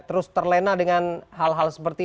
terus terlena dengan hal hal seperti